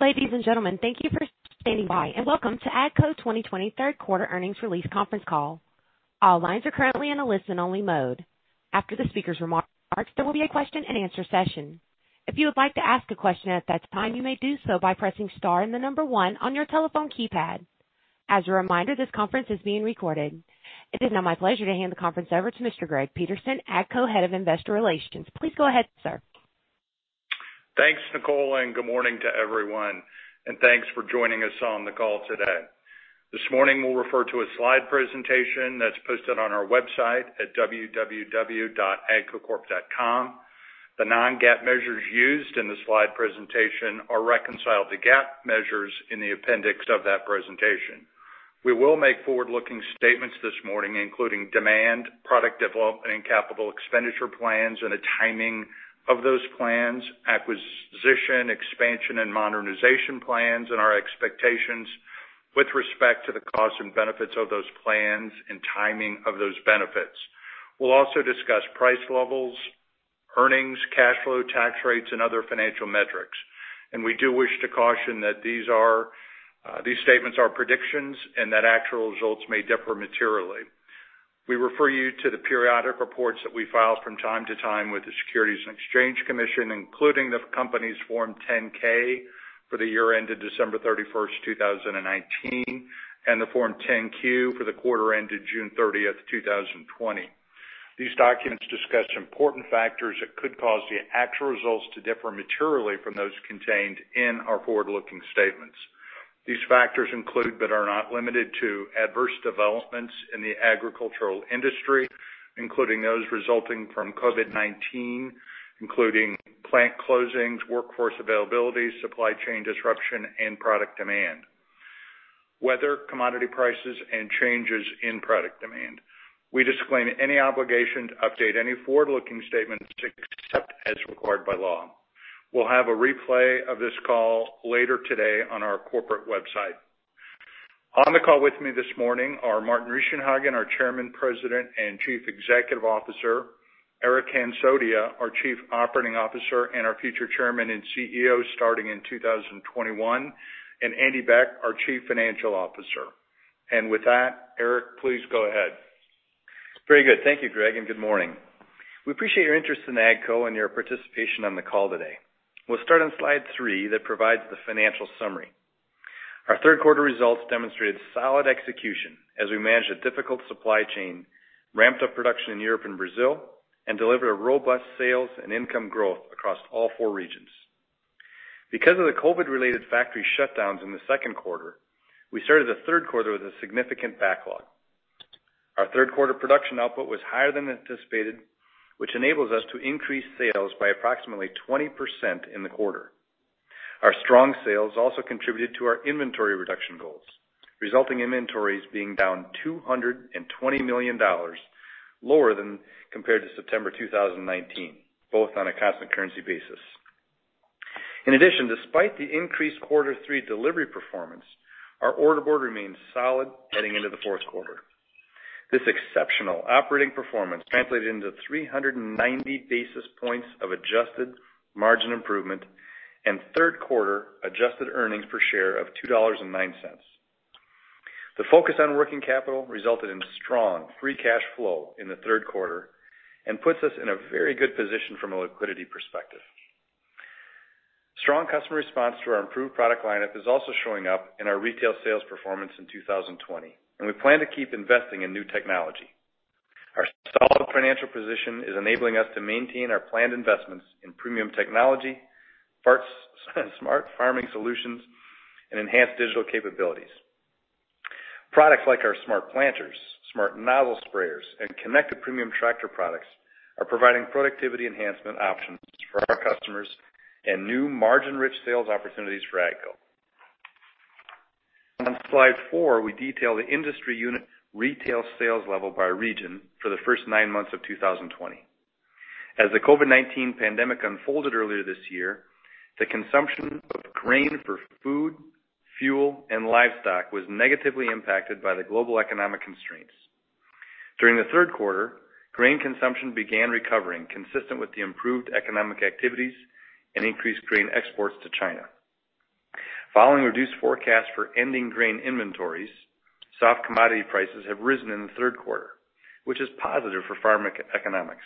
Ladies and gentlemen, thank you for standing by, and welcome to AGCO 2020 third quarter earnings release conference call. All lines are currently in a listen-only mode. After the speaker's remarks, there will be a question and answer session. If you would like to ask a question at that time, you may do so by pressing star and the number one on your telephone keypad. As a reminder, this conference is being recorded. It is now my pleasure to hand the conference over to Mr. Greg Peterson, AGCO Head of Investor Relations. Please go ahead, sir. Thanks, Nicole, and good morning to everyone, and thanks for joining us on the call today. This morning, we'll refer to a slide presentation that's posted on our website at www.agcocorp.com. The non-GAAP measures used in the slide presentation are reconciled to GAAP measures in the appendix of that presentation. We will make forward-looking statements this morning including demand, product development and capital expenditure plans and the timing of those plans, acquisition, expansion, and modernization plans, and our expectations with respect to the costs and benefits of those plans and timing of those benefits. We will also discuss price levels, earnings, cashflows, tax rates and other financial metrics. We do wish to caution that these statements are predictions and that actual results may differ materially. We refer you to the periodic reports that we file from time to time with the Securities and Exchange Commission, including the company's Form 10-K for the year ended December 31st, 2019, and the Form 10-Q for the quarter ended June 30th, 2020. These documents discuss important factors that could cause the actual results to differ materially from those contained in our forward-looking statements. These factors include but are not limited to adverse developments in the agricultural industry, including those resulting from COVID-19, including plant closings, workforce availability, supply chain disruption, and product demand, weather, commodity prices, and changes in product demand. We disclaim any obligation to update any forward-looking statements except as required by law. We'll have a replay of this call later today on our corporate website. On the call with me this morning are Martin Richenhagen, our Chairman, President, and Chief Executive Officer, Eric Hansotia, our Chief Operating Officer and our future Chairman and CEO starting in 2021, and Andy Beck, our Chief Financial Officer. With that, Eric, please go ahead. Very good. Thank you, Greg, and good morning. We appreciate your interest in AGCO and your participation on the call today. We'll start on slide three that provides the financial summary. Our third quarter results demonstrated solid execution as we managed a difficult supply chain, ramped up production in Europe and Brazil, and delivered a robust sales and income growth across all four regions. Because of the COVID-related factory shutdowns in the second quarter, we started the third quarter with a significant backlog. Our third quarter production output was higher than anticipated, which enables us to increase sales by approximately 20% in the quarter. Our strong sales also contributed to our inventory reduction goals, resulting in inventories being down $220 million lower than compared to September 2019, both on a constant currency basis. In addition, despite the increased quarter three delivery performance, our order board remains solid heading into the fourth quarter. This exceptional operating performance translated into 390 basis points of adjusted margin improvement and third quarter adjusted earnings per share of $2.09. The focus on working capital resulted in strong free cash flow in the third quarter and puts us in a very good position from a liquidity perspective. Strong customer response to our improved product lineup is also showing up in our retail sales performance in 2020, and we plan to keep investing in new technology. Our solid financial position is enabling us to maintain our planned investments in premium technology, smart farming solutions, and enhanced digital capabilities. Products like our Smart Planters, Smart Sprayers, and connected premium tractor products are providing productivity enhancement options for our customers and new margin-rich sales opportunities for AGCO. On slide four, we detail the industry unit retail sales level by region for the first nine months of 2020. As the COVID-19 pandemic unfolded earlier this year, the consumption of grain for food, fuel, and livestock was negatively impacted by the global economic constraints. During the third quarter, grain consumption began recovering consistent with the improved economic activities and increased grain exports to China. Following reduced forecasts for ending grain inventories, soft commodity prices have risen in the third quarter, which is positive for farm economics.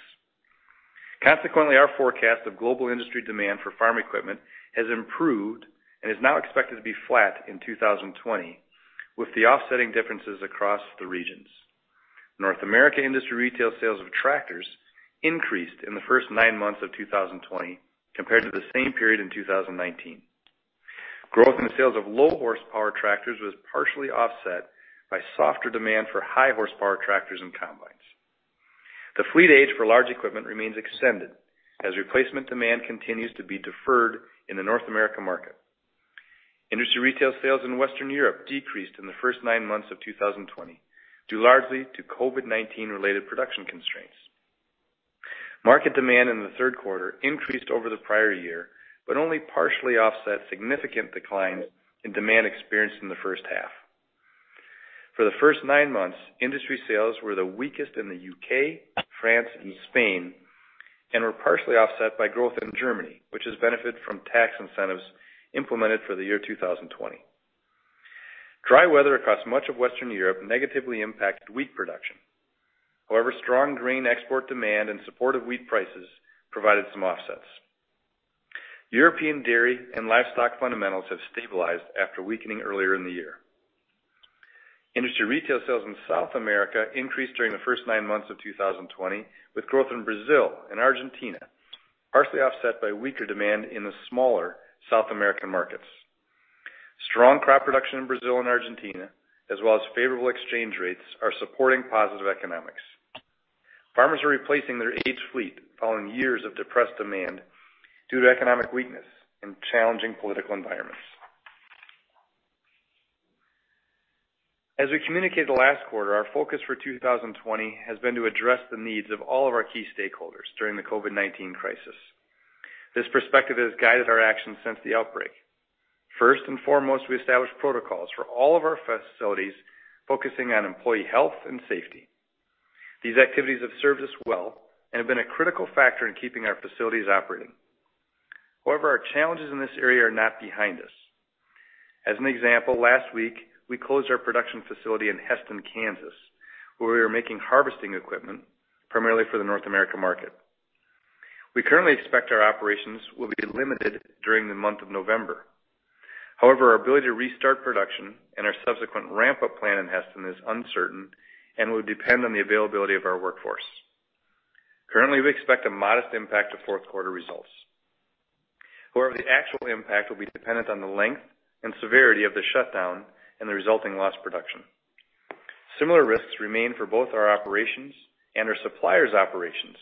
Consequently, our forecast of global industry demand for farm equipment has improved and is now expected to be flat in 2020, with the offsetting differences across the regions. North America industry retail sales of tractors increased in the first nine months of 2020 compared to the same period in 2019. Growth in the sales of low horsepower tractors was partially offset by softer demand for high horsepower tractors and combines. The fleet age for large equipment remains extended as replacement demand continues to be deferred in the North America market. Industry retail sales in Western Europe decreased in the first nine months of 2020, due largely to COVID-19 related production constraints. Market demand in the third quarter increased over the prior year, but only partially offset significant declines in demand experienced in the first half. For the first nine months, industry sales were the weakest in the U.K., France, and Spain, and were partially offset by growth in Germany, which has benefited from tax incentives implemented for the year 2020. Dry weather across much of Western Europe negatively impacted wheat production. However, strong grain export demand in support of wheat prices provided some offsets. European dairy and livestock fundamentals have stabilized after weakening earlier in the year. Industry retail sales in South America increased during the first nine months of 2020, with growth in Brazil and Argentina partially offset by weaker demand in the smaller South American markets. Strong crop production in Brazil and Argentina, as well as favorable exchange rates, are supporting positive economics. Farmers are replacing their aged fleet following years of depressed demand due to economic weakness and challenging political environments. As we communicated last quarter, our focus for 2020 has been to address the needs of all of our key stakeholders during the COVID-19 crisis. This perspective has guided our actions since the outbreak. First and foremost, we established protocols for all of our facilities focusing on employee health and safety. These activities have served us well and have been a critical factor in keeping our facilities operating. However, our challenges in this area are not behind us. As an example, last week, we closed our production facility in Hesston, Kansas, where we were making harvesting equipment primarily for the North American market. We currently expect our operations will be limited during the month of November. However, our ability to restart production and our subsequent ramp-up plan in Hesston is uncertain and will depend on the availability of our workforce. Currently, we expect a modest impact to fourth quarter results. However, the actual impact will be dependent on the length and severity of the shutdown and the resulting lost production. Similar risks remain for both our operations and our suppliers' operations,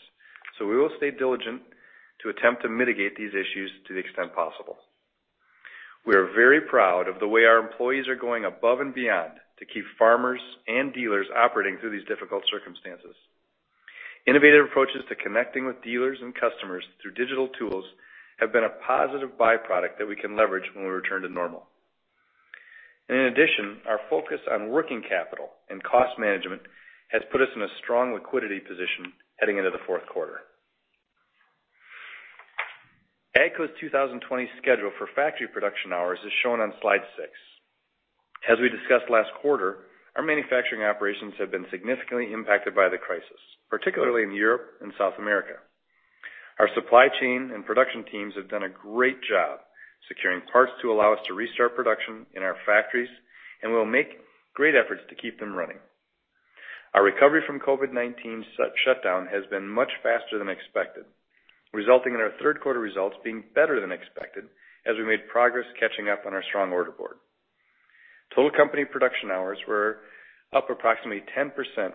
so we will stay diligent to attempt to mitigate these issues to the extent possible. We are very proud of the way our employees are going above and beyond to keep farmers and dealers operating through these difficult circumstances. Innovative approaches to connecting with dealers and customers through digital tools have been a positive byproduct that we can leverage when we return to normal. In addition, our focus on working capital and cost management has put us in a strong liquidity position heading into the fourth quarter. AGCO's 2020 schedule for factory production hours is shown on slide six. As we discussed last quarter, our manufacturing operations have been significantly impacted by the crisis, particularly in Europe and South America. Our supply chain and production teams have done a great job securing parts to allow us to restart production in our factories, and we'll make great efforts to keep them running. Our recovery from COVID-19 shutdown has been much faster than expected, resulting in our third quarter results being better than expected as we made progress catching up on our strong order board. Total company production hours were up approximately 10%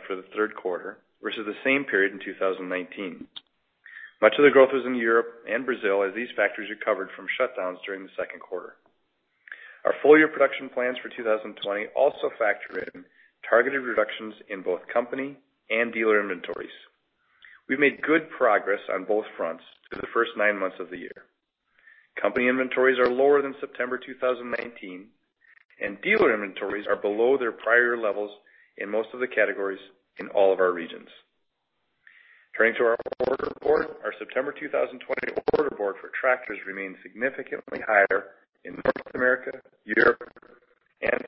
for the third quarter versus the same period in 2019. Much of the growth was in Europe and Brazil, as these factories recovered from shutdowns during the second quarter. Our full-year production plans for 2020 also factor in targeted reductions in both company and dealer inventories. We've made good progress on both fronts through the first nine months of the year. Company inventories are lower than September 2019, and dealer inventories are below their prior levels in most of the categories in all of our regions. Turning to our order board, our September 2020 order board for tractors remains significantly higher in North America, Europe, and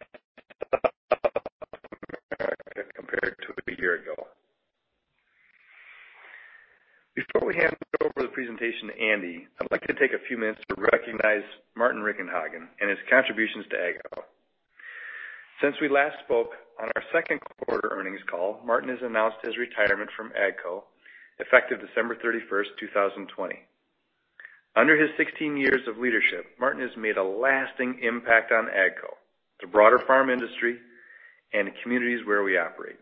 South America compared to a year ago. Before we hand it over the presentation to Andy, I'd like to take a few minutes to recognize Martin Richenhagen and his contributions to AGCO. Since we last spoke on our second quarter earnings call, Martin has announced his retirement from AGCO effective December 31st, 2020. Under his 16 years of leadership, Martin has made a lasting impact on AGCO, the broader farm industry, and the communities where we operate.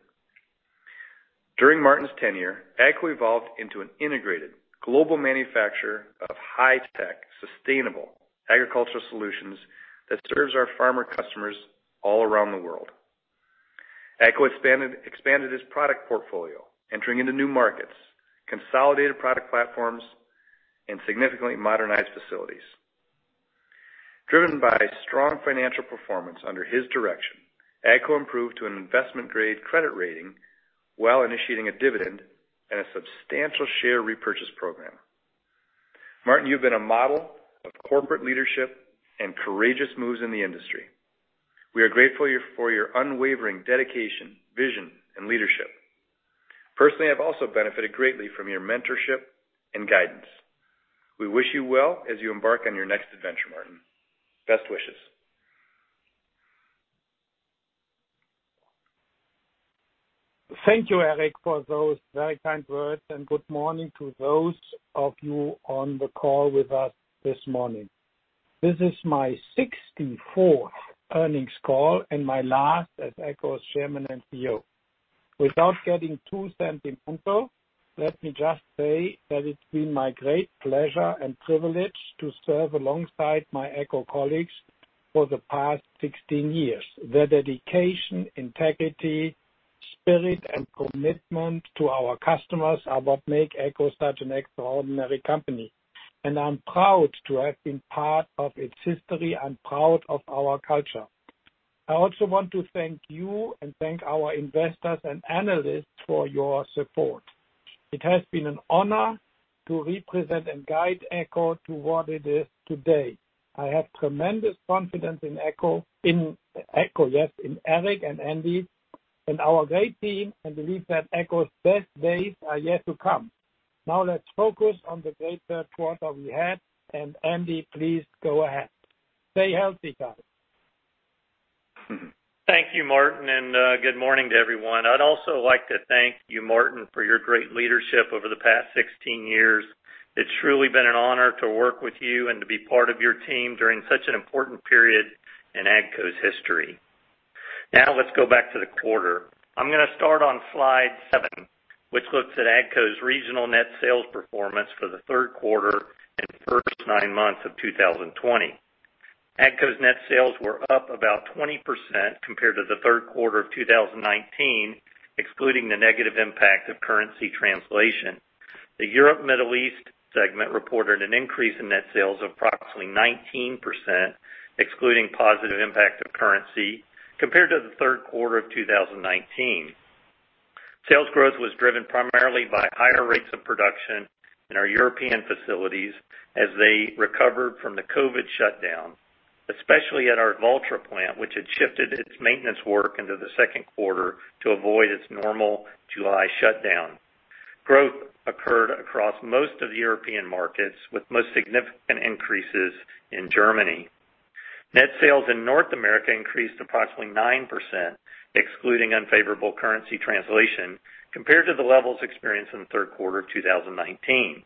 During Martin's tenure, AGCO evolved into an integrated global manufacturer of high-tech, sustainable agricultural solutions that serves our farmer customers all around the world. AGCO expanded its product portfolio, entering into new markets, consolidated product platforms, and significantly modernized facilities. Driven by strong financial performance under his direction, AGCO improved to an investment-grade credit rating while initiating a dividend and a substantial share repurchase program. Martin, you've been a model of corporate leadership and courageous moves in the industry. We are grateful for your unwavering dedication, vision, and leadership. Personally, I've also benefited greatly from your mentorship and guidance. We wish you well as you embark on your next adventure, Martin. Best wishes. Thank you, Eric, for those very kind words, and good morning to those of you on the call with us this morning. This is my 64th earnings call and my last as AGCO's Chairman and CEO. Without getting too sentimental, let me just say that it's been my great pleasure and privilege to serve alongside my AGCO colleagues for the past 16 years. Their dedication, integrity, spirit and commitment to our customers are what make AGCO such an extraordinary company, and I'm proud to have been part of its history and proud of our culture. I also want to thank you and thank our investors and analysts for your support. It has been an honor to represent and guide AGCO to what it is today. I have tremendous confidence in AGCO, yes, in Eric and Andy, and our great team. I believe that AGCO's best days are yet to come. Now let's focus on the great third quarter we had, and Andy, please go ahead. Stay healthy, guys. Thank you, Martin, and good morning to everyone. I'd also like to thank you, Martin, for your great leadership over the past 16 years. It's truly been an honor to work with you and to be part of your team during such an important period in AGCO's history. Now let's go back to the quarter. I'm going to start on slide seven, which looks at AGCO's regional net sales performance for the third quarter and first nine months of 2020. AGCO's net sales were up about 20% compared to the third quarter of 2019, excluding the negative impact of currency translation. The Europe Middle East Segment reported an increase in net sales of approximately 19%, excluding positive impact of currency, compared to the third quarter of 2019. Sales growth was driven primarily by higher rates of production in our European facilities as they recovered from the COVID-19 shutdown, especially at our Valtra plant, which had shifted its maintenance work into the second quarter to avoid its normal July shutdown. Growth occurred across most of the European markets, with the most significant increases in Germany. Net sales in North America increased approximately 9%, excluding unfavorable currency translation, compared to the levels experienced in the third quarter of 2019.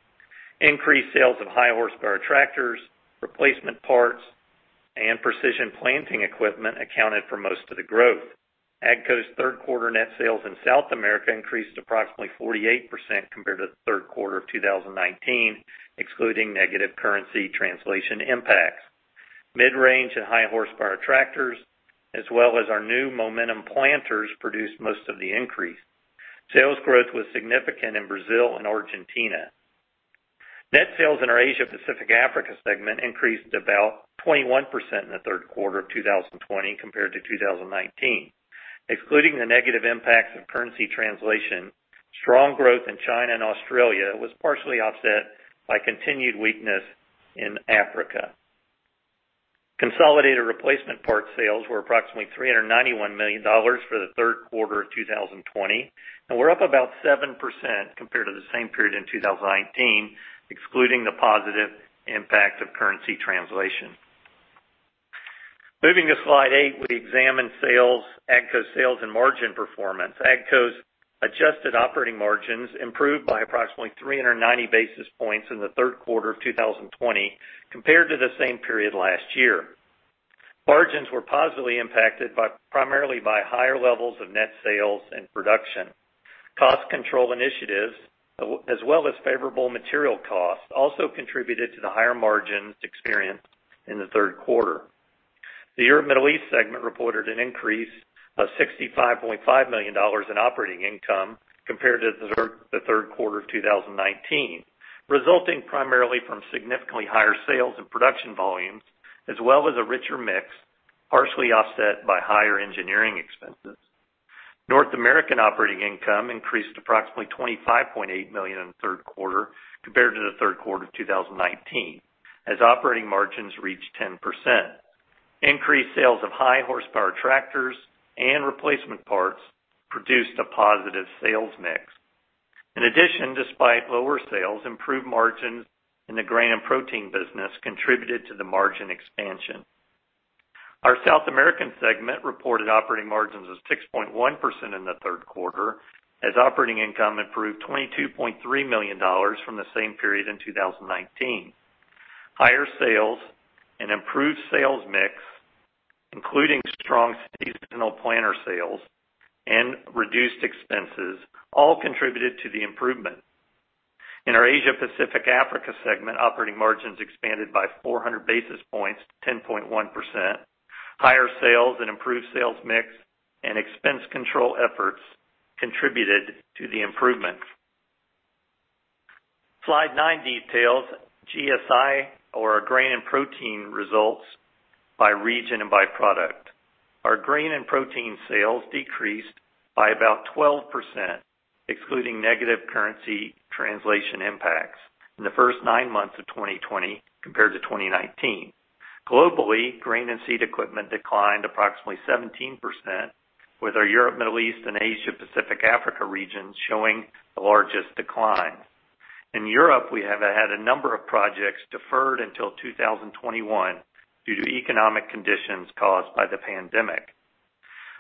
Increased sales of high horsepower tractors, replacement parts, and Precision Planting equipment accounted for most of the growth. AGCO's third quarter net sales in South America increased approximately 48% compared to the third quarter of 2019, excluding negative currency translation impacts. Mid-range and high horsepower tractors, as well as our new Momentum Planters, produced most of the increase. Sales growth was significant in Brazil and Argentina. Net sales in our Asia Pacific Africa segment increased about 21% in the third quarter of 2020 compared to 2019. Excluding the negative impacts of currency translation, strong growth in China and Australia was partially offset by continued weakness in Africa. Consolidated replacement parts sales were approximately $391 million for the third quarter of 2020, and were up about 7% compared to the same period in 2019, excluding the positive impact of currency translation. Moving to slide eight, we examine AGCO sales and margin performance. AGCO's adjusted operating margins improved by approximately 390 basis points in the third quarter of 2020 compared to the same period last year. Margins were positively impacted primarily by higher levels of net sales and production. Cost control initiatives, as well as favorable material costs, also contributed to the higher margins experienced in the third quarter. The Europe Middle East segment reported an increase of $65.5 million in operating income compared to the third quarter of 2019, resulting primarily from significantly higher sales and production volumes, as well as a richer mix, partially offset by higher engineering expenses. North American operating income increased approximately $25.8 million in the third quarter compared to the third quarter of 2019, as operating margins reached 10%. Increased sales of high horsepower tractors and replacement parts produced a positive sales mix. In addition, despite lower sales, improved margins in the grain and protein business contributed to the margin expansion. Our South American segment reported operating margins of 6.1% in the third quarter, as operating income improved $22.3 million from the same period in 2019. Higher sales and improved sales mix, including strong seasonal planter sales and reduced expenses, all contributed to the improvement. In our Asia Pacific Africa segment, operating margins expanded by 400 basis points to 10.1%. Higher sales and improved sales mix and expense control efforts contributed to the improvement. Slide nine details GSI or grain and protein results by region and by product. Our grain and protein sales decreased by about 12%, excluding negative currency translation impacts in the first nine months of 2020 compared to 2019. Globally, grain and seed equipment declined approximately 17%, with our Europe, Middle East, and Asia Pacific Africa regions showing the largest decline. In Europe, we have had a number of projects deferred until 2021 due to economic conditions caused by the pandemic.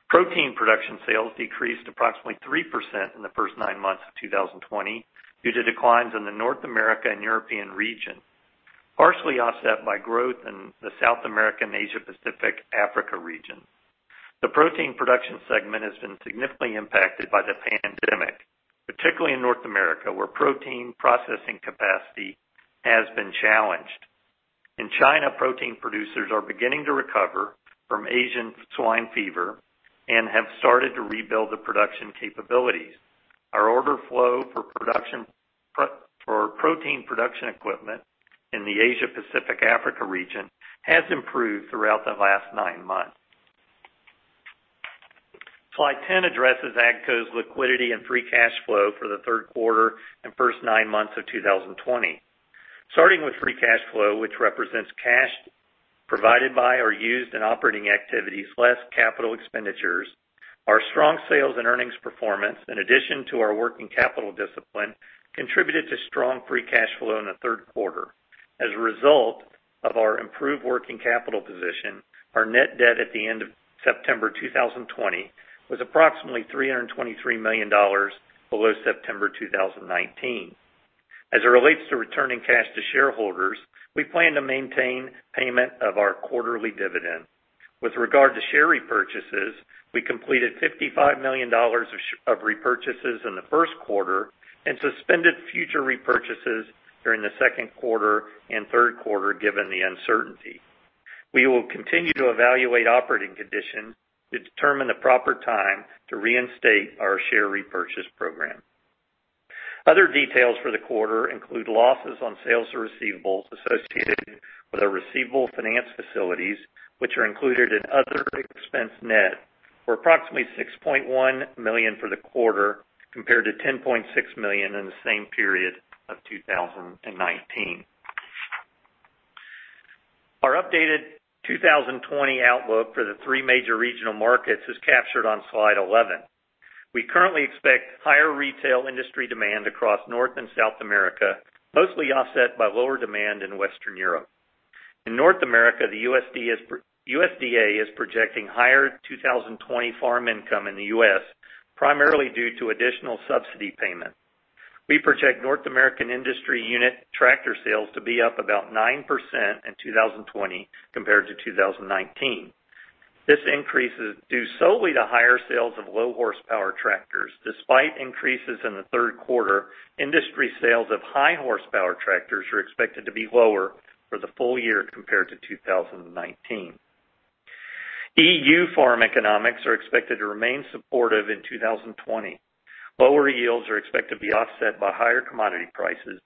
Protein production sales decreased approximately 3% in the first nine months of 2020 due to declines in the North America and European region, partially offset by growth in the South American Asia Pacific Africa region. The protein production segment has been significantly impacted by the pandemic, particularly in North America, where protein processing capacity has been challenged. In China, protein producers are beginning to recover from African swine fever and have started to rebuild the production capabilities. Our order flow for protein production equipment in the Asia Pacific Africa region has improved throughout the last nine months. Slide 10 addresses AGCO's liquidity and free cash flow for the third quarter and first nine months of 2020. Starting with free cash flow, which represents cash provided by or used in operating activities, less capital expenditures. Our strong sales and earnings performance, in addition to our working capital discipline, contributed to strong free cash flow in the third quarter. As a result of our improved working capital position, our net debt at the end of September 2020 was approximately $323 million below September 2019. As it relates to returning cash to shareholders, we plan to maintain payment of our quarterly dividend. With regard to share repurchases, we completed $55 million of repurchases in the first quarter and suspended future repurchases during the second quarter and third quarter, given the uncertainty. We will continue to evaluate operating conditions to determine the proper time to reinstate our share repurchase program. Other details for the quarter include losses on sales of receivables associated with our receivable finance facilities, which are included in other expense net for approximately $6.1 million for the quarter, compared to $10.6 million in the same period of 2019. Our updated 2020 outlook for the three major regional markets is captured on slide 11. We currently expect higher retail industry demand across North and South America, mostly offset by lower demand in Western Europe. In North America, the USDA is projecting higher 2020 farm income in the U.S., primarily due to additional subsidy payments. We project North American industry unit tractor sales to be up about 9% in 2020 compared to 2019. This increase is due solely to higher sales of low horsepower tractors. Despite increases in the third quarter, industry sales of high horsepower tractors are expected to be lower for the full year compared to 2019. EU farm economics are expected to remain supportive in 2020. Lower yields are expected to be offset by higher commodity prices.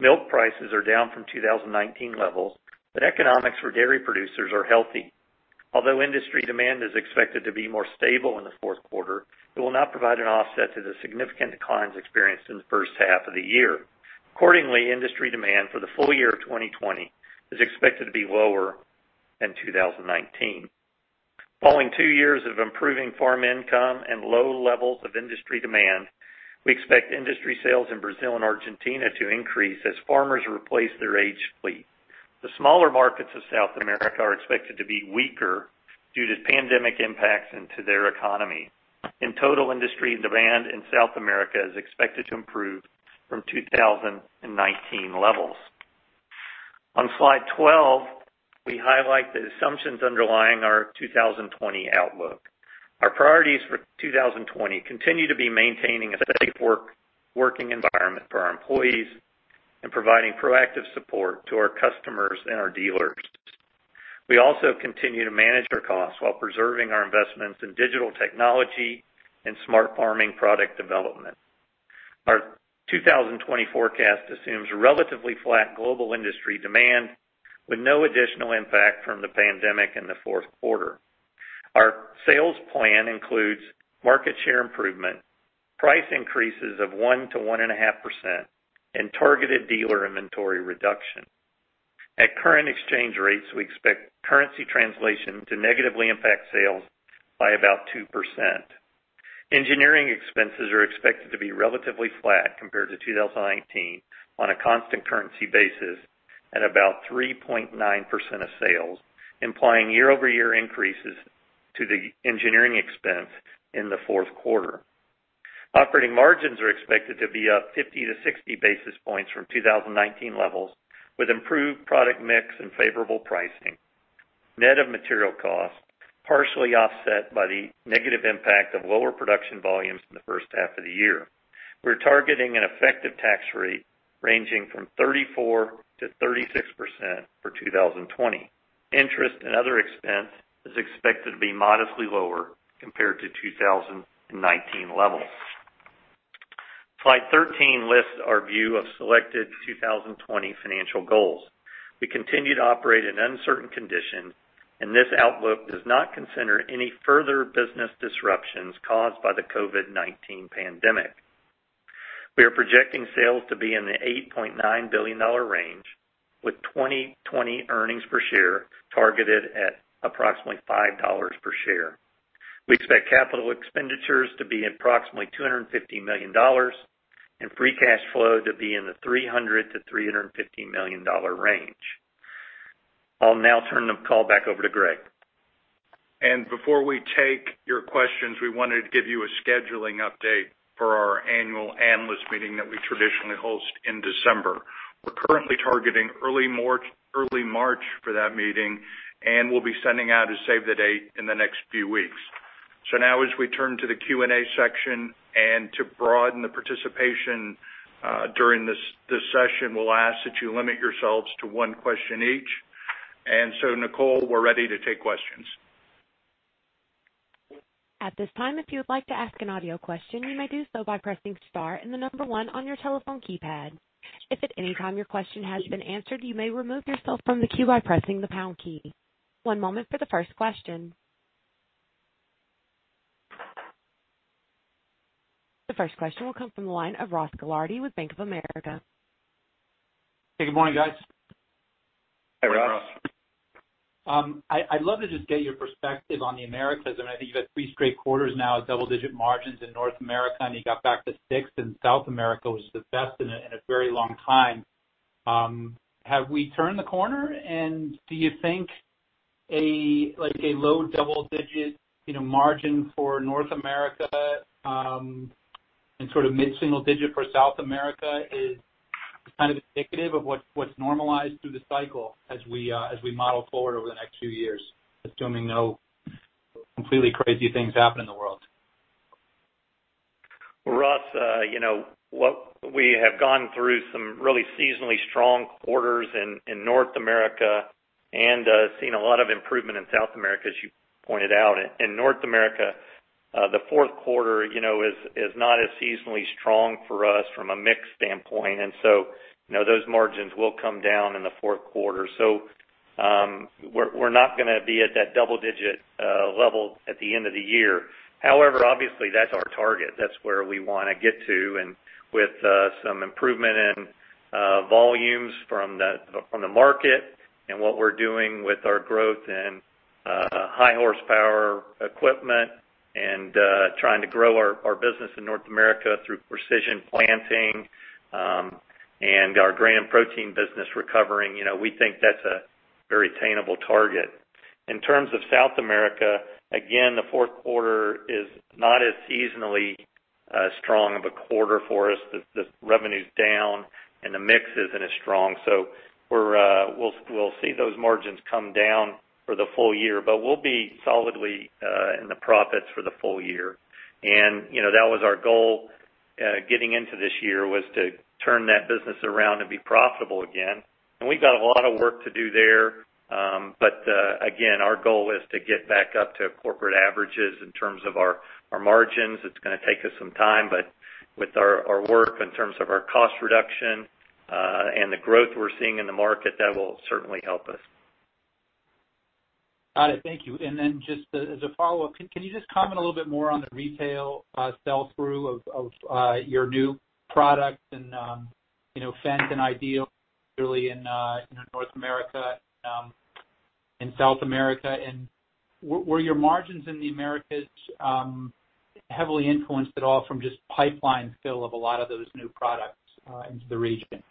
Milk prices are down from 2019 levels, but economics for dairy producers are healthy. Although industry demand is expected to be more stable in the fourth quarter, it will not provide an offset to the significant declines experienced in the first half of the year. Accordingly, industry demand for the full year of 2020 is expected to be lower than 2019. Following two years of improving farm income and low levels of industry demand, we expect industry sales in Brazil and Argentina to increase as farmers replace their aged fleet. The smaller markets of South America are expected to be weaker due to pandemic impacts into their economy. In total, industry demand in South America is expected to improve from 2019 levels. On slide 12, we highlight the assumptions underlying our 2020 outlook. Our priorities for 2020 continue to be maintaining a safe working environment for our employees and providing proactive support to our customers and our dealers. We also continue to manage our costs while preserving our investments in digital technology and smart farming product development. Our 2020 forecast assumes relatively flat global industry demand with no additional impact from the pandemic in the fourth quarter. Our sales plan includes market share improvement, price increases of 1%-1.5%, and targeted dealer inventory reduction. At current exchange rates, we expect currency translation to negatively impact sales by about 2%. Engineering expenses are expected to be relatively flat compared to 2019 on a constant currency basis at about 3.9% of sales, implying year-over-year increases to the engineering expense in the fourth quarter. Operating margins are expected to be up 50-60 basis points from 2019 levels, with improved product mix and favorable pricing. Net of material cost, partially offset by the negative impact of lower production volumes in the first half of the year. We're targeting an effective tax rate ranging from 34%-36% for 2020. Interest and other expense is expected to be modestly lower compared to 2019 levels. Slide 13 lists our view of selected 2020 financial goals. We continue to operate in uncertain conditions, and this outlook does not consider any further business disruptions caused by the COVID-19 pandemic. We are projecting sales to be in the $8.9 billion range, with 2020 earnings per share targeted at approximately $5 per share. We expect capital expenditures to be approximately $250 million and free cash flow to be in the $300 million-$350 million range. I'll now turn the call back over to Greg. Before we take your questions, we wanted to give you a scheduling update for our annual analyst meeting that we traditionally host in December. We're currently targeting early March for that meeting, and we'll be sending out a save the date in the next few weeks. Now as we turn to the Q&A section and to broaden the participation during this session, we'll ask that you limit yourselves to one question each. Nicole, we're ready to take questions. At this time if you like to ask an audio question you might do so by pressing star and the number one on your telephone keypad. Anytime your question has been answered you may remove yourself from the queue by pressing the pound key. One moment for the first question. The first question will come from the line of Ross Gilardi with Bank of America. Hey, good morning, guys. Hey, Ross. I'd love to just get your perspective on the Americas. I think you've had three straight quarters now at double-digit margins in North America, and you got back to six in South America, which is the best in a very long time. Have we turned the corner? Do you think a low double-digit margin for North America, and mid-single-digit for South America is indicative of what's normalized through the cycle as we model forward over the next few years, assuming no completely crazy things happen in the world? Ross, we have gone through some really seasonally strong quarters in North America and seen a lot of improvement in South America, as you pointed out. In North America, the fourth quarter is not as seasonally strong for us from a mix standpoint. Those margins will come down in the fourth quarter. We're not going to be at that double-digit level at the end of the year. However, obviously that's our target. That's where we want to get to. With some improvement in volumes from the market and what we're doing with our growth in high horsepower equipment and trying to grow our business in North America through Precision Planting, and our grain protein business recovering, we think that's a very attainable target. In terms of South America, again, the fourth quarter is not as seasonally strong of a quarter for us. The revenue's down and the mix isn't as strong. We'll see those margins come down for the full year, but we'll be solidly in the profits for the full year. That was our goal, getting into this year was to turn that business around and be profitable again. We've got a lot of work to do there. Again, our goal is to get back up to corporate averages in terms of our margins. It's going to take us some time, but with our work in terms of our cost reduction, and the growth we're seeing in the market, that will certainly help us. Got it. Thank you. Just as a follow-up, can you just comment a little bit more on the retail sell-through of your new products and, Fendt and IDEAL, really in North America, in South America? Were your margins in the Americas heavily influenced at all from just pipeline fill of a lot of those new products into the region?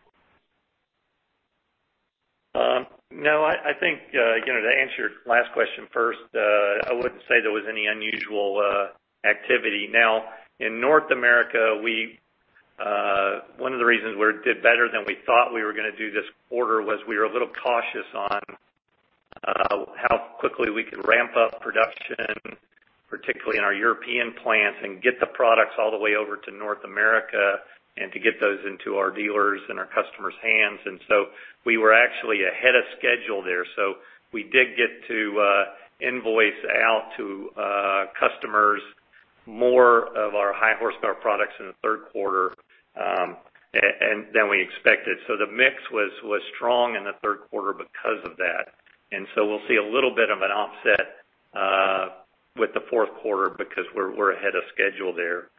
No. To answer your last question first, I wouldn't say there was any unusual activity. In North America, one of the reasons we did better than we thought we were going to do this quarter was we were a little cautious on how quickly we could ramp up production, particularly in our European plants, and get the products all the way over to North America and to get those into our dealers and our customers' hands. We were actually ahead of schedule there. We did get to invoice out to customers more of our high horsepower products in the third quarter than we expected. The mix was strong in the third quarter because of that. We'll see a little bit of an offset with the fourth quarter because we're ahead of schedule there.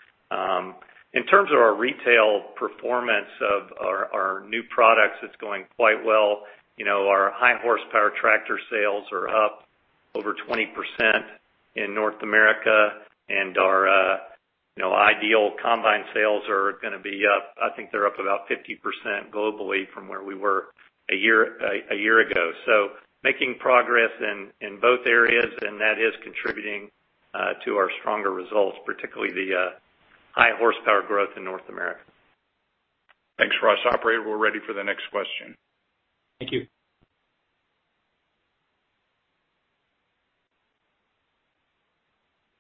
In terms of our retail performance of our new products, it's going quite well. Our high horsepower tractor sales are up over 20% in North America, and our IDEAL combine sales are going to be up, I think they're up about 50% globally from where we were a year ago. Making progress in both areas, and that is contributing to our stronger results, particularly the high horsepower growth in North America. Thanks, Ross. Operator, we're ready for the next question. Thank you.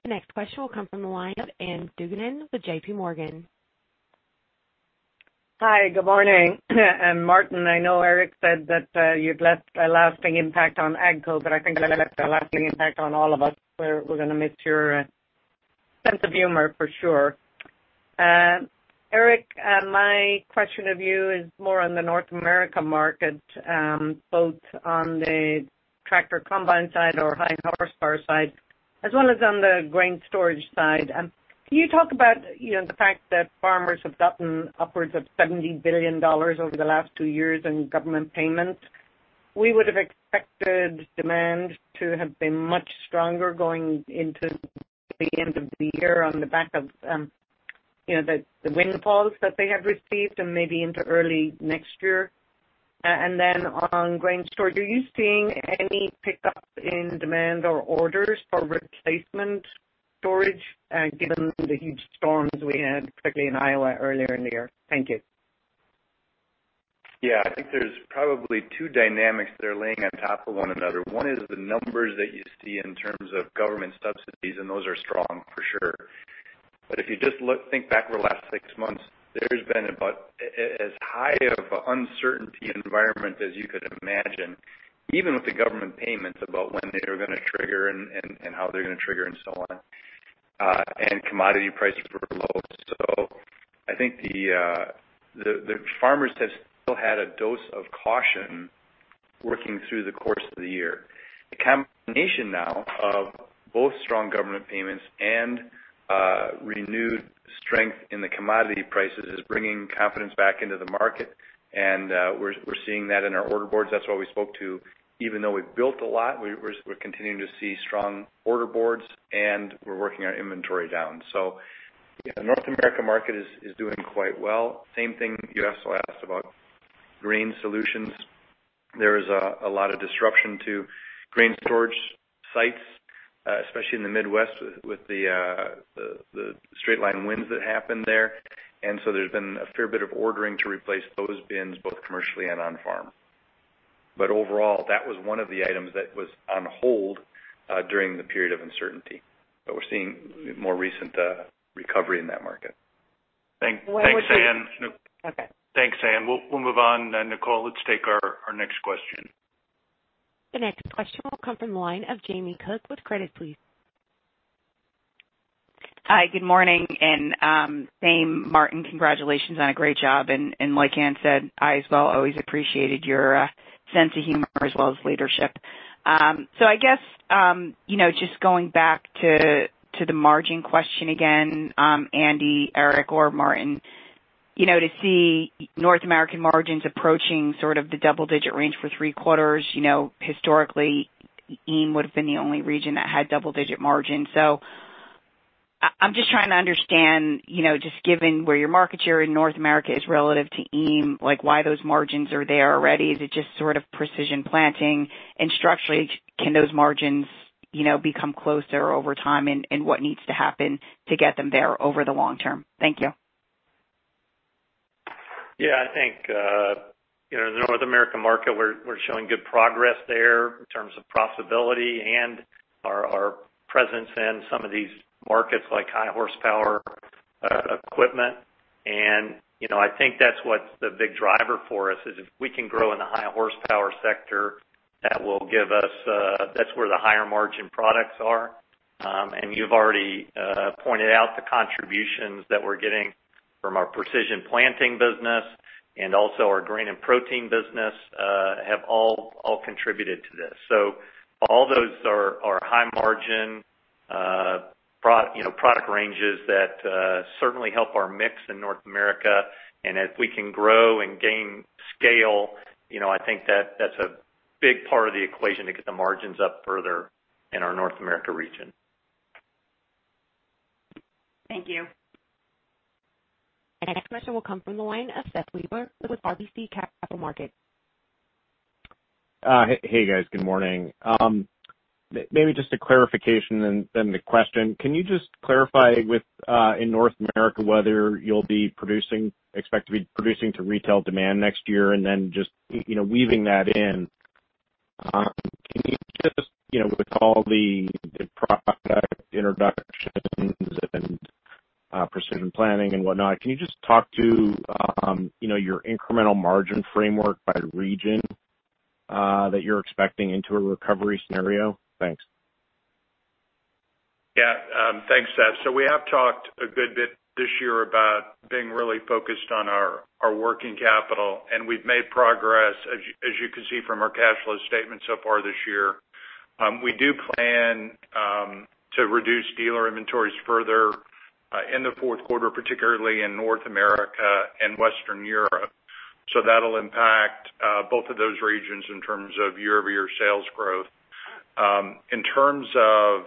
The next question will come from the line of Ann Duignan with JPMorgan. Hi. Good morning. Martin, I know Eric said that you've left a lasting impact on AGCO, I think that left a lasting impact on all of us. We're going to miss your sense of humor for sure. Eric, my question of you is more on the North America market, both on the tractor combine side or high horsepower side, as well as on the grain storage side. Can you talk about the fact that farmers have gotten upwards of $70 billion over the last two years in government payments? We would have expected demand to have been much stronger going into the end of the year on the back of the windfalls that they have received and maybe into early next year. On grain storage, are you seeing any pickup in demand or orders for replacement storage given the huge storms we had, particularly in Iowa earlier in the year? Thank you. I think there's probably two dynamics that are laying on top of one another. One is the numbers that you see in terms of government subsidies, and those are strong for sure. If you just think back over the last six months, there's been about as high of an uncertainty environment as you could imagine, even with the government payments, about when they are going to trigger and how they're going to trigger and so on. Commodity prices were low. I think the farmers have still had a dose of caution working through the course of the year. The combination now of both strong government payments and renewed strength in the commodity prices is bringing confidence back into the market. We're seeing that in our order boards. That's why we spoke to, even though we've built a lot, we're continuing to see strong order boards and we're working our inventory down. The North America market is doing quite well. Same thing you also asked about grain solutions. There is a lot of disruption to grain storage sites, especially in the Midwest with the straight-line winds that happened there. There's been a fair bit of ordering to replace those bins, both commercially and on farm. Overall, that was one of the items that was on hold during the period of uncertainty. We're seeing more recent recovery in that market. Thanks, Ann. Okay. Thanks, Ann. We'll move on. Nicole, let's take our next question. The next question will come from the line of Jamie Cook with Credit Suisse. Hi, good morning. Same Martin, congratulations on a great job. Like Ann said, I as well always appreciated your sense of humor as well as leadership. I guess, just going back to the margin question again, Andy, Eric, or Martin. To see North American margins approaching sort of the double digit range for three quarters, historically, EAME would've been the only region that had double digit margins. I'm just trying to understand, just given where your market share in North America is relative to EAME, why those margins are there already. Is it just sort of Precision Planting? Structurally, can those margins become closer over time, and what needs to happen to get them there over the long term? Thank you. I think the North America market, we're showing good progress there in terms of profitability and our presence in some of these markets like high horsepower equipment. I think that's what's the big driver for us is if we can grow in the high horsepower sector, that's where the higher margin products are. You've already pointed out the contributions that we're getting from our Precision Planting business and also our Grain & Protein business have all contributed to this. All those are high margin product ranges that certainly help our mix in North America. If we can grow and gain scale, I think that's a big part of the equation to get the margins up further in our North America region. Thank you. Our next question will come from the line of Seth Weber with RBC Capital Markets. Hey, guys. Good morning. Maybe just a clarification and then the question. Can you just clarify in North America whether you expect to be producing to retail demand next year? Just weaving that in, with all the product introductions and Precision Planting and whatnot, can you just talk to your incremental margin framework by region that you're expecting into a recovery scenario? Thanks. Yeah. Thanks, Seth. We have talked a good bit this year about being really focused on our working capital, and we've made progress as you can see from our cash flow statement so far this year. We do plan to reduce dealer inventories further in the fourth quarter, particularly in North America and Western Europe. That'll impact both of those regions in terms of year-over-year sales growth. In terms of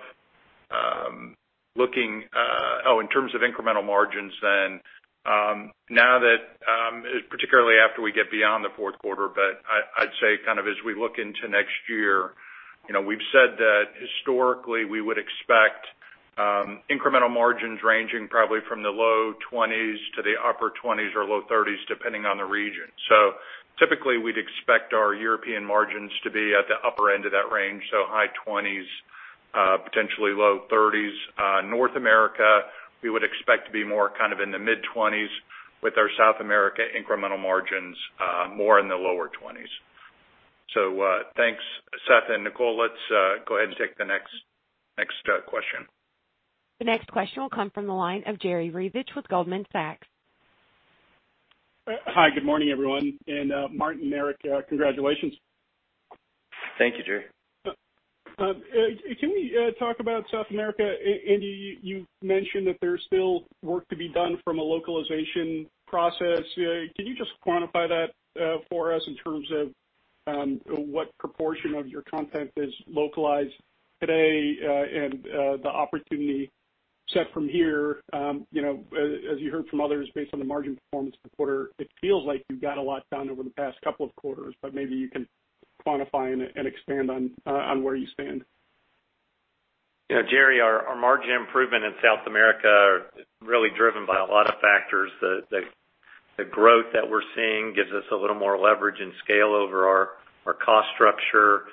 incremental margins then, now that particularly after we get beyond the fourth quarter, but I'd say kind of as we look into next year, we've said that historically we would expect incremental margins ranging probably from the low 20s to the upper 20s or low 30s, depending on the region. Typically, we'd expect our European margins to be at the upper end of that range, high 20s, potentially low 30s. North America, we would expect to be more kind of in the mid-20s% with our South America incremental margins more in the lower 20s%. Thanks, Seth. Nicole, let's go ahead and take the next question. The next question will come from the line of Jerry Revich with Goldman Sachs. Hi. Good morning, everyone. Martin and Eric, congratulations. Thank you, Jerry. Can we talk about South America? Andy, you mentioned that there's still work to be done from a localization process. Can you just quantify that for us in terms of what proportion of your content is localized today and the opportunity set from here? As you heard from others based on the margin performance of the quarter, it feels like you've got a lot done over the past couple of quarters, but maybe you can quantify and expand on where you stand? Jerry, our margin improvement in South America is really driven by a lot of factors. The growth that we're seeing gives us a little more leverage and scale over our cost structure.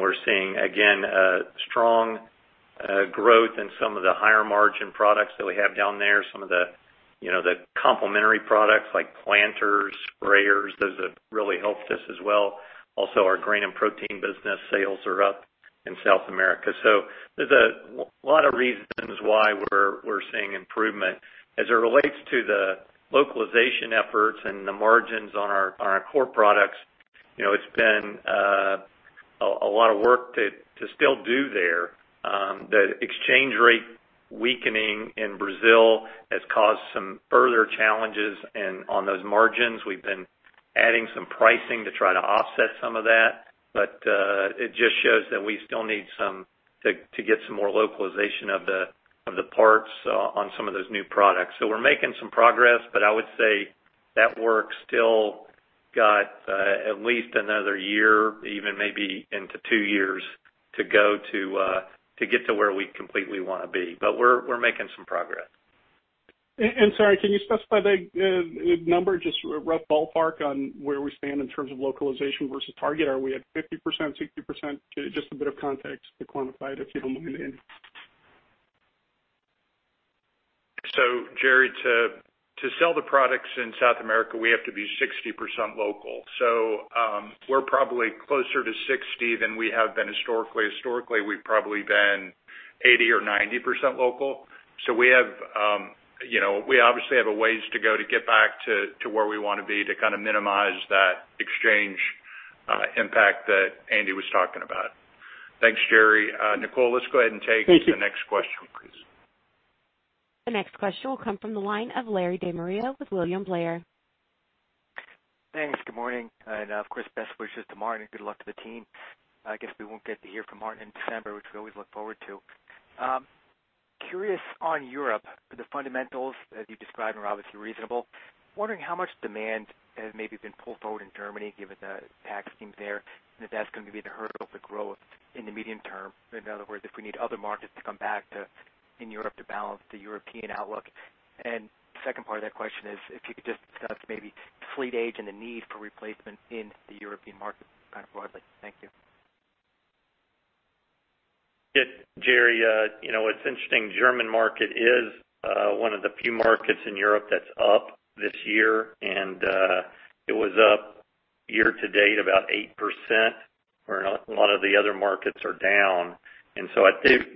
We're seeing, again, strong growth in some of the higher margin products that we have down there. Some of the complementary products like planters, sprayers, those have really helped us as well. Also, our grain and protein business sales are up in South America. There's a lot of reasons why we're seeing improvement. As it relates to the localization efforts and the margins on our core products, it's been a lot of work to still do there. The exchange rate weakening in Brazil has caused some further challenges on those margins. We've been adding some pricing to try to offset some of that. It just shows that we still need to get some more localization of the parts on some of those new products. We're making some progress, but I would say that work's still got at least another year, even maybe into two years to go to get to where we completely want to be. We're making some progress. Sorry, can you specify the number, just a rough ballpark on where we stand in terms of localization versus target? Are we at 50%-60%? Just a bit of context to quantify it, if you don't mind. Jerry, to sell the products in South America, we have to be 60% local. We're probably closer to 60% than we have been historically. Historically, we've probably been 80% or 90% local. We obviously have a ways to go to get back to where we want to be to kind of minimize that exchange impact that Andy was talking about. Thanks, Jerry. Nicole, let's go ahead and take the next question, please. The next question will come from the line of Larry De Maria with William Blair. Thanks. Good morning, and of course, best wishes to Martin and good luck to the team. I guess we won't get to hear from Martin in December, which we always look forward to. Curious on Europe, the fundamentals, as you described, are obviously reasonable. Wondering how much demand has maybe been pulled forward in Germany given the tax schemes there, and if that's going to be the hurdle for growth in the medium term. In other words, if we need other markets to come back in Europe to balance the European outlook. The second part of that question is if you could just discuss maybe fleet age and the need for replacement in the European market kind of broadly? Thank you. Yeah. Jerry, it's interesting. German market is one of the few markets in Europe that's up this year, and it was up year-to-date about 8%, where a lot of the other markets are down. I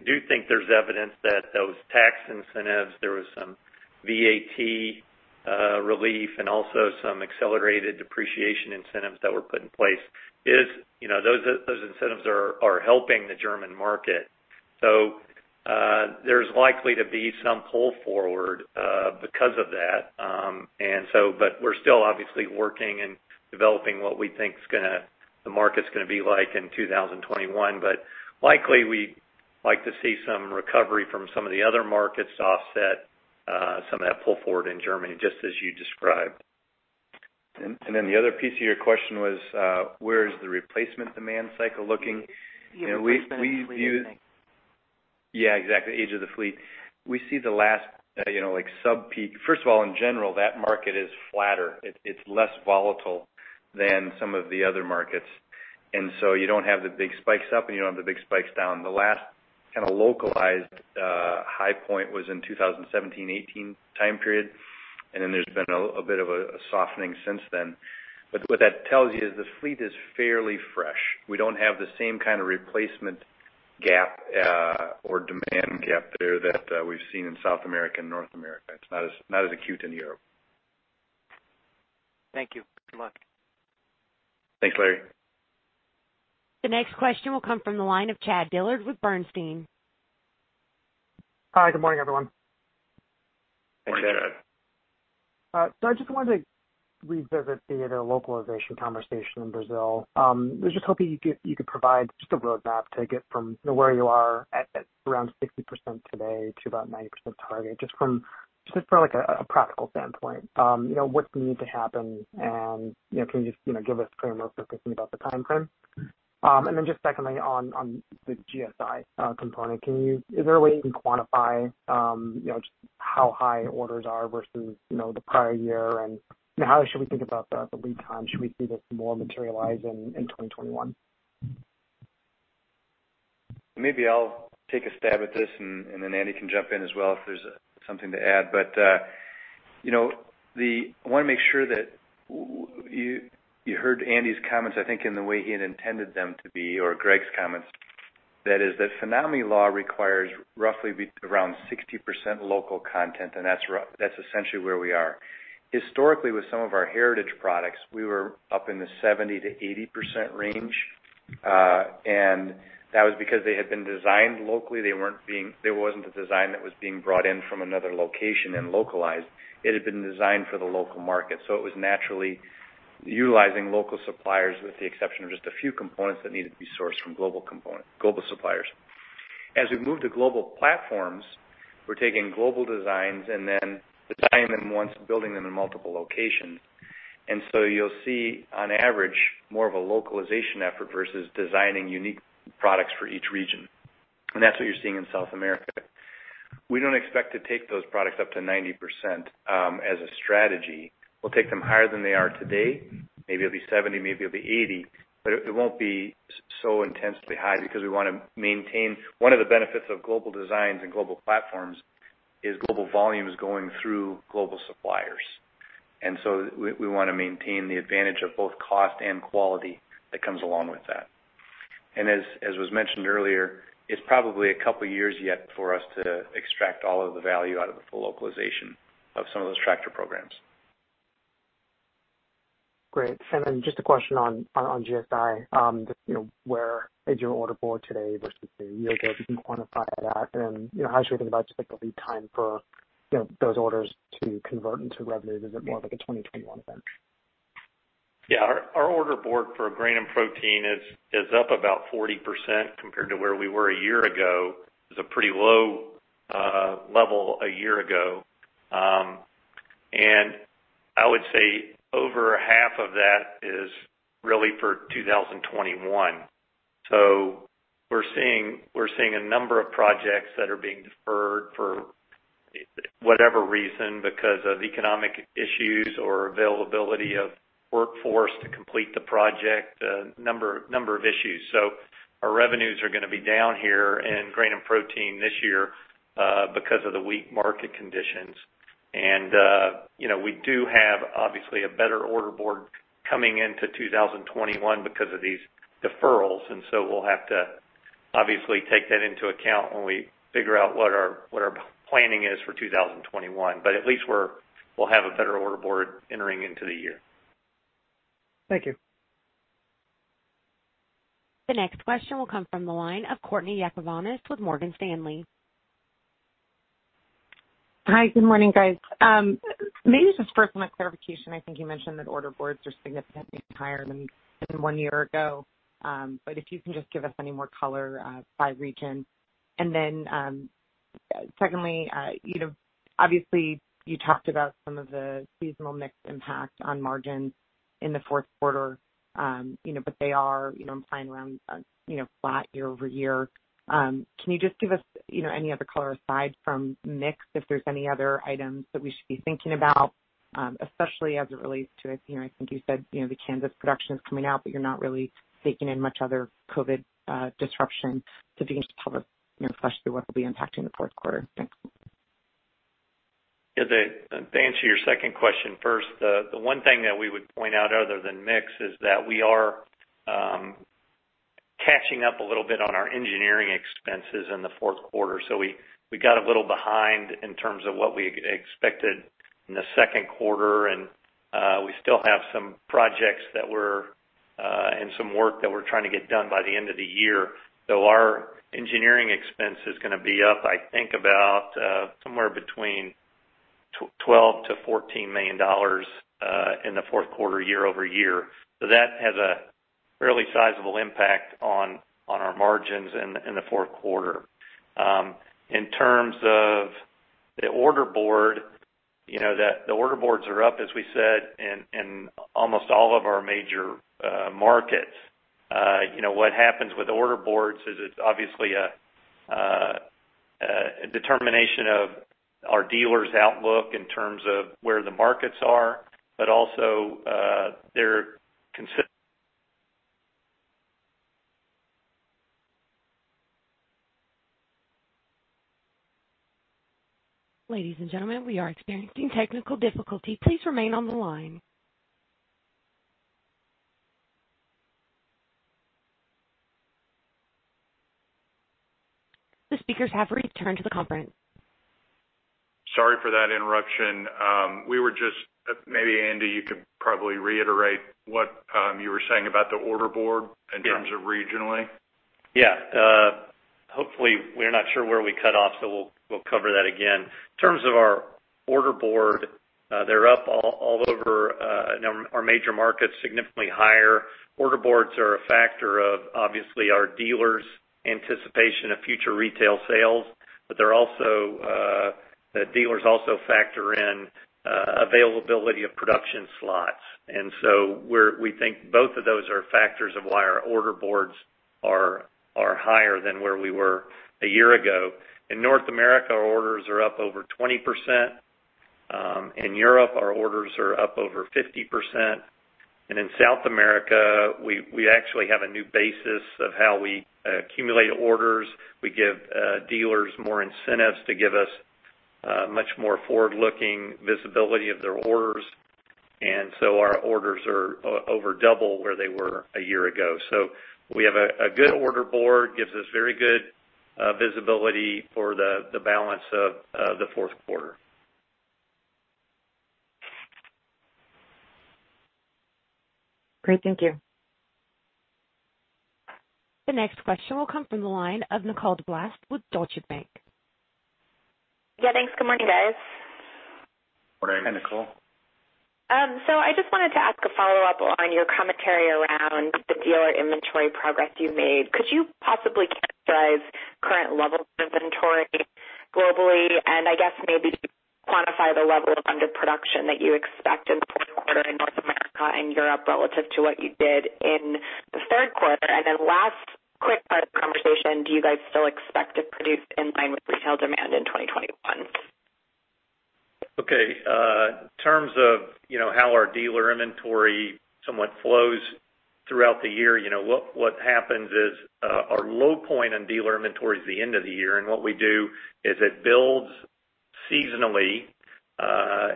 do think there's evidence that those tax incentives, there was some VAT relief and also some accelerated depreciation incentives that were put in place. Those incentives are helping the German market. There's likely to be some pull forward because of that. We're still obviously working and developing what we think the market's going to be like in 2021. Likely we'd like to see some recovery from some of the other markets offset some of that pull forward in Germany, just as you described. The other piece of your question was where is the replacement demand cycle looking? Yeah, replacement and fleet, I think. Yeah, exactly. Age of the fleet. We see the last sub-peak. First of all, in general, that market is flatter. It's less volatile than some of the other markets. You don't have the big spikes up and you don't have the big spikes down. The last kind of localized high point was in 2017, 2018 time period, and then there's been a bit of a softening since then. What that tells you is the fleet is fairly fresh. We don't have the same kind of replacement gap or demand gap there that we've seen in South America and North America. It's not as acute in Europe. Thank you. Good luck. Thanks, Larry. The next question will come from the line of Chad Dillard with Bernstein. Hi, good morning, everyone. Good morning, Chad. I just wanted to revisit the localization conversation in Brazil. I was just hoping you could provide just a roadmap to get from where you are at around 60% today to about 90% target, just from a practical standpoint. What's needed to happen, and can you just give us a framework for thinking about the timeframe? Then just secondly, on the GSI component, is there a way you can quantify just how high orders are versus the prior year, and how should we think about the lead time? Should we see this more materialize in 2021? Maybe I'll take a stab at this, and then Andy can jump in as well if there's something to add. I want to make sure that you heard Andy's comments, I think, in the way he had intended them to be, or Greg's comments. That is that FINAME law requires roughly around 60% local content, and that's essentially where we are. Historically, with some of our heritage products, we were up in the 70%-80% range. That was because they had been designed locally. There wasn't a design that was being brought in from another location and localized. It had been designed for the local market. It was naturally utilizing local suppliers with the exception of just a few components that needed to be sourced from global suppliers. As we move to global platforms, we're taking global designs and then designing them once, building them in multiple locations. You'll see on average more of a localization effort versus designing unique products for each region. That's what you're seeing in South America. We don't expect to take those products up to 90% as a strategy. We'll take them higher than they are today. Maybe it'll be 70%, maybe it'll be 80%, it won't be so intensely high because we want to maintain. One of the benefits of global designs and global platforms is global volumes going through global suppliers. We want to maintain the advantage of both cost and quality that comes along with that. As was mentioned earlier, it's probably a couple of years yet for us to extract all of the value out of the full localization of some of those tractor programs. Great. Just a question on GSI, where is your order board today versus a year ago? If you can quantify that. How should we think about just like the lead time for those orders to convert into revenue? Is it more of like a 2021 event? Yeah. Our order board for grain and protein is up about 40% compared to where we were a year ago. It was a pretty low level a year ago. I would say over half of that is really for 2021. We're seeing a number of projects that are being deferred for whatever reason because of economic issues or availability of workforce to complete the project, a number of issues. Our revenues are going to be down here in grain and protein this year because of the weak market conditions. We do have, obviously, a better order board coming into 2021 because of these deferrals, we'll have to obviously take that into account when we figure out what our planning is for 2021. At least we'll have a better order board entering into the year. Thank you. The next question will come from the line of Courtney Yakavonis with Morgan Stanley. Hi, good morning, guys. Maybe just first on that clarification, I think you mentioned that order boards are significantly higher than one year ago. If you can just give us any more color by region. Secondly, obviously you talked about some of the seasonal mix impact on margins in the fourth quarter, but they are implying around flat year-over-year. Can you just give us any other color aside from mix, if there's any other items that we should be thinking about, especially as it relates to, I think you said, the Kansas production is coming out, but you're not really taking in much other COVID disruption. If you can just talk, especially what will be impacting the fourth quarter? Thanks. Yeah. To answer your second question first, the one thing that we would point out other than mix is that we are catching up a little bit on our engineering expenses in the fourth quarter. We got a little behind in terms of what we expected in the second quarter, and we still have some projects and some work that we're trying to get done by the end of the year. Our engineering expense is going to be up, I think about somewhere between $12 million-$14 million in the fourth quarter, year-over-year. That has a fairly sizable impact on our margins in the fourth quarter. In terms of the order board, the order boards are up, as we said, in almost all of our major markets. What happens with order boards is it's obviously a determination of our dealers' outlook in terms of where the markets are, but also their. Ladies and gentlemen, we are experiencing technical difficulty. Please remain on the line. The speakers have returned to the conference. Sorry for that interruption. Maybe Andy, you could probably reiterate what you were saying about the order board. Yeah, in terms of regionally. Yeah. Hopefully, we're not sure where we cut off, so we'll cover that again. In terms of our order board, they're up all over our major markets significantly higher. Order boards are a factor of obviously our dealers' anticipation of future retail sales. Dealers also factor in availability of production slots. We think both of those are factors of why our order boards are higher than where we were a year ago. In North America, our orders are up over 20%. In Europe, our orders are up over 50%. In South America, we actually have a new basis of how we accumulate orders. We give dealers more incentives to give us much more forward-looking visibility of their orders. Our orders are over double where they were a year ago. We have a good order board, gives us very good visibility for the balance of the fourth quarter. Great. Thank you. The next question will come from the line of Nicole DeBlase with Deutsche Bank. Yeah, thanks. Good morning, guys. Morning. Hey, Nicole. I just wanted to ask a follow-up on your commentary around the dealer inventory progress you made. Could you possibly characterize current levels of inventory globally? I guess maybe to quantify the level of underproduction that you expect in the fourth quarter in North America and Europe relative to what you did in the third quarter. Last quick part of the conversation, do you guys still expect to produce in line with retail demand in 2021? Okay. In terms of how our dealer inventory somewhat flows throughout the year, what happens is our low point in dealer inventory is the end of the year. What we do is it builds seasonally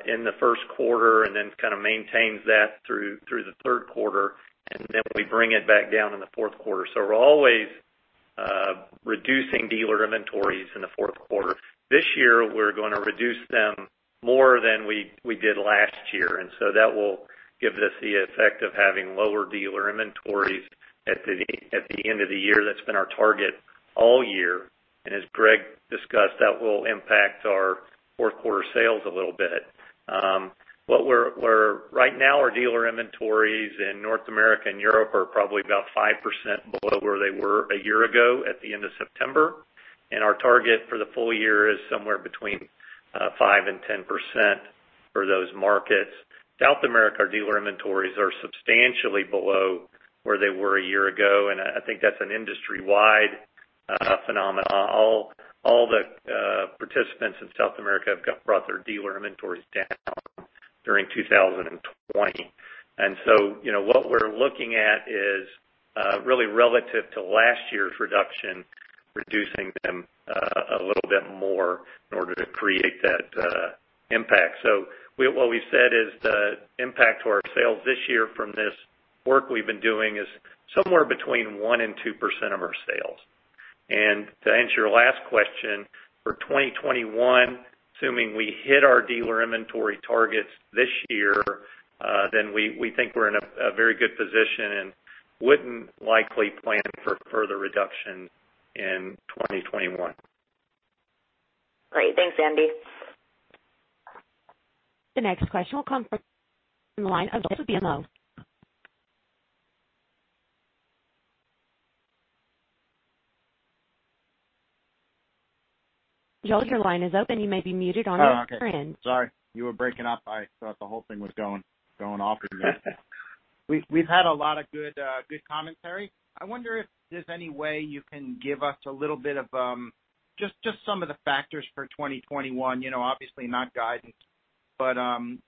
in the first quarter and then kind of maintains that through the third quarter, and then we bring it back down in the fourth quarter. We're always reducing dealer inventories in the fourth quarter. This year, we're going to reduce them more than we did last year, that will give us the effect of having lower dealer inventories at the end of the year. That's been our target all year, as Greg discussed, that will impact our fourth quarter sales a little bit. Right now, our dealer inventories in North America and Europe are probably about 5% below where they were a year ago at the end of September. Our target for the full year is somewhere between 5% and 10% for those markets. South America, our dealer inventories are substantially below where they were a year ago. I think that's an industry-wide phenomenon. All the participants in South America have brought their dealer inventories down during 2020. What we're looking at is, really relative to last year's reduction, reducing them a little bit more in order to create that impact. What we've said is the impact to our sales this year from this work we've been doing is somewhere between 1% and 2% of our sales. To answer your last question, for 2021, assuming we hit our dealer inventory targets this year, then we think we're in a very good position and wouldn't likely plan for further reduction in 2021. Great. Thanks, Andy. The next question will come from the line of Joel Tiss of BMO. Joel, your line is open. You may be muted on your end. Oh, okay. Sorry. You were breaking up. I thought the whole thing was going off again. We've had a lot of good commentary. I wonder if there's any way you can give us a little bit of just some of the factors for 2021. Obviously, not guidance, but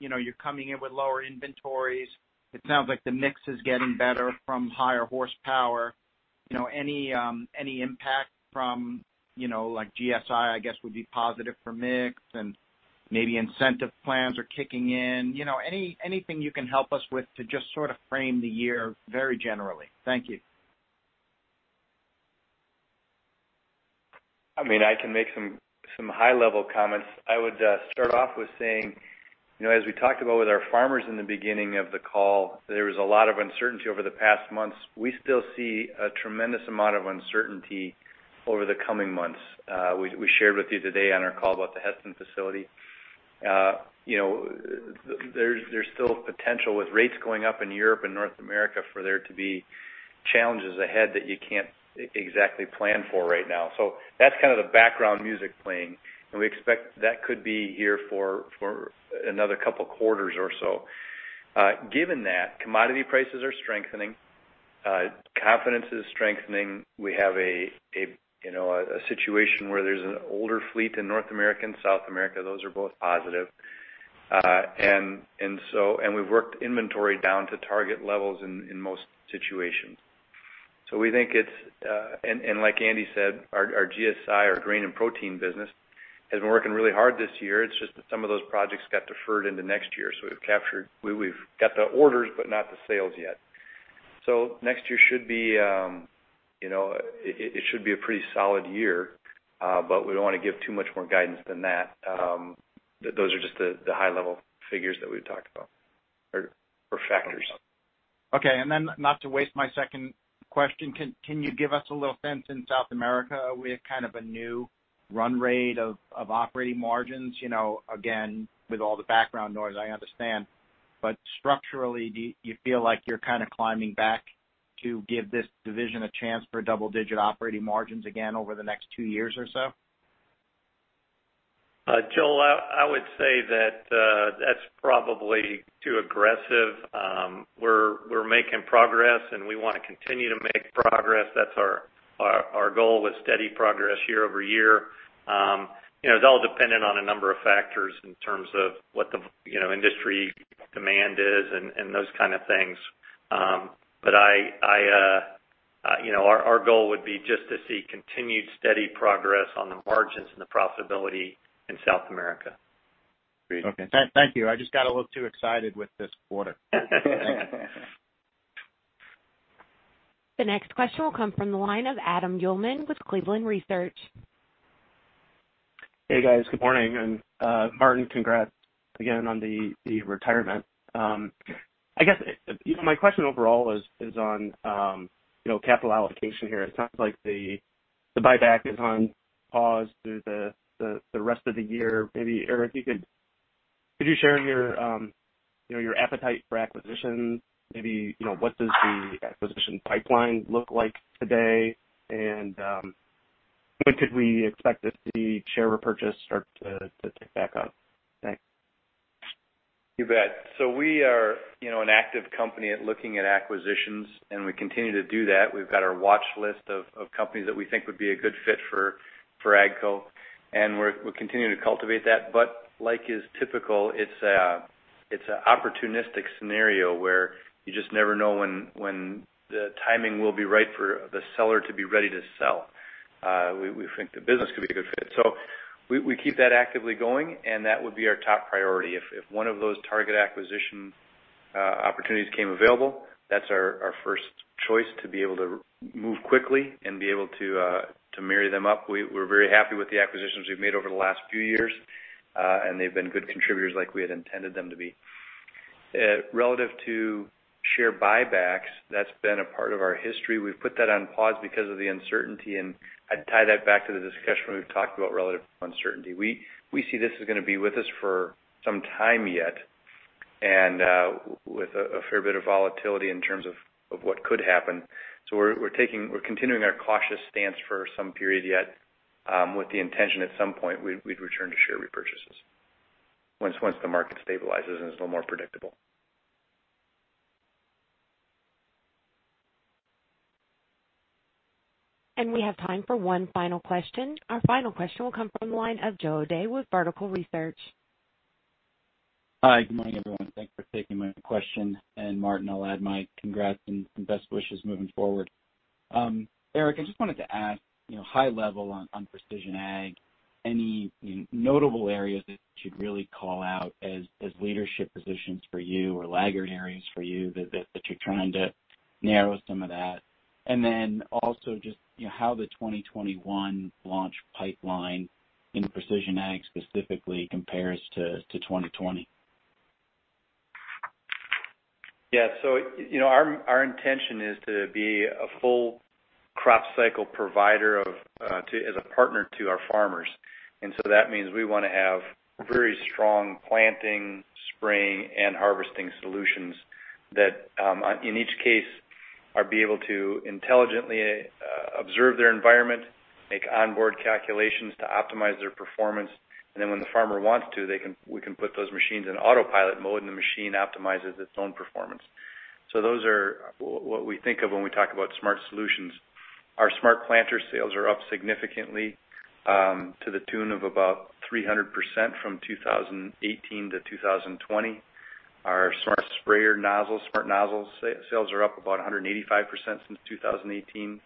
you're coming in with lower inventories. It sounds like the mix is getting better from higher horsepower. Any impact from GSI, I guess, would be positive for mix, and maybe incentive plans are kicking in. Anything you can help us with to just sort of frame the year very generally? Thank you. I can make some high-level comments. I would start off with saying, as we talked about with our farmers in the beginning of the call, there was a lot of uncertainty over the past months. We still see a tremendous amount of uncertainty over the coming months. We shared with you today on our call about the Hesston facility. There's still potential with rates going up in Europe and North America for there to be challenges ahead that you can't exactly plan for right now. That's kind of the background music playing, and we expect that could be here for another couple of quarters or so. Given that, commodity prices are strengthening. Confidence is strengthening. We have a situation where there's an older fleet in North America and South America. Those are both positive. We've worked inventory down to target levels in most situations. Like Andy said, our GSI, our Grain & Protein business, has been working really hard this year. It's just that some of those projects got deferred into next year. We've got the orders but not the sales yet. Next year should be a pretty solid year, but we don't want to give too much more guidance than that. Those are just the high-level figures that we've talked about, or factors. Okay. Then not to waste my second question, can you give us a little sense in South America with kind of a new run rate of operating margins? Again, with all the background noise, I understand, structurally, do you feel like you're kind of climbing back to give this division a chance for double-digit operating margins again over the next two years or so? Joel, I would say that that's probably too aggressive. We're making progress, and we want to continue to make progress. That's our goal with steady progress year-over-year. It's all dependent on a number of factors in terms of what the industry demand is and those kind of things. Our goal would be just to see continued steady progress on the margins and the profitability in South America. Great. Okay. Thank you. I just got a little too excited with this quarter. The next question will come from the line of Adam Uhlman with Cleveland Research. Hey, guys. Good morning. Martin, congrats again on the retirement. My question overall is on capital allocation here. It sounds like the buyback is on pause through the rest of the year. Maybe Eric, could you share your appetite for acquisitions? Maybe what does the acquisition pipeline look like today? When could we expect to see share repurchase start to tick back up? Thanks. You bet. We are an active company at looking at acquisitions, and we continue to do that. We've got our watch list of companies that we think would be a good fit for AGCO, and we're continuing to cultivate that. Like is typical, it's an opportunistic scenario where you just never know when the timing will be right for the seller to be ready to sell. We think the business could be a good fit. We keep that actively going, and that would be our top priority. If one of those target acquisition opportunities came available, that's our first choice to be able to move quickly and be able to marry them up. We're very happy with the acquisitions we've made over the last few years. They've been good contributors like we had intended them to be. Relative to share buybacks, that's been a part of our history. We've put that on pause because of the uncertainty, and I'd tie that back to the discussion when we've talked about relative uncertainty. We see this is going to be with us for some time yet, and with a fair bit of volatility in terms of what could happen. We're continuing our cautious stance for some period yet, with the intention at some point, we'd return to share repurchases once the market stabilizes and is a little more predictable. We have time for one final question. Our final question will come from the line of Joe O'Dea with Vertical Research. Hi, good morning, everyone. Thanks for taking my question. Martin, I'll add my congrats and best wishes moving forward. Eric, I just wanted to ask high level on precision ag, any notable areas that you'd really call out as leadership positions for you or laggard areas for you that you're trying to narrow some of that? Then also just how the 2021 launch pipeline in precision ag specifically compares to 2020? Yeah. Our intention is to be a full crop cycle provider as a partner to our farmers. That means we want to have very strong planting, spraying, and harvesting solutions that in each case, are be able to intelligently observe their environment, make onboard calculations to optimize their performance, and then when the farmer wants to, we can put those machines in autopilot mode, and the machine optimizes its own performance. Those are what we think of when we talk about smart solutions. Our smart planter sales are up significantly, to the tune of about 300% from 2018-2020. Our smart nozzles sales are up about 185% since 2018.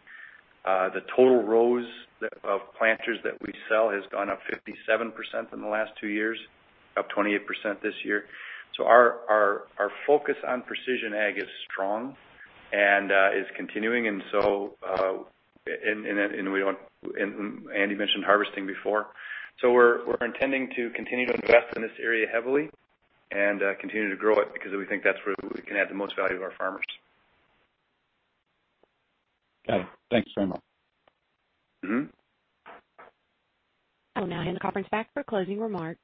The total rows of planters that we sell has gone up 57% in the last two years, up 28% this year. Our focus on precision ag is strong and is continuing. Andy mentioned harvesting before. We're intending to continue to invest in this area heavily and continue to grow it because we think that's where we can add the most value to our farmers. Got it. Thanks very much. I will now hand the conference back for closing remarks.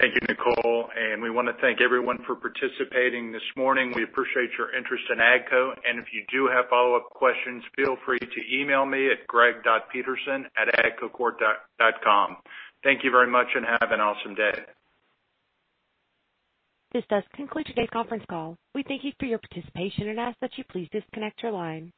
Thank you, Nicole, and we want to thank everyone for participating this morning. We appreciate your interest in AGCO, and if you do have follow-up questions, feel free to email me at greg.peterson@agcocorp.com. Thank you very much and have an awesome day. This does conclude today's conference call. We thank you for your participation and ask that you please disconnect your line.